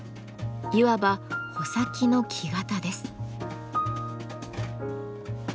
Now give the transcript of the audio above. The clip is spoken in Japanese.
いわば穂先の木型です。